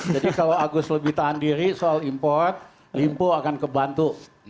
jadi kalau agus lebih tahan diri soal import limpo akan kebantu